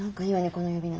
この呼び名。